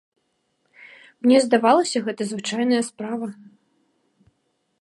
Мне здавалася, гэта звычайная справа.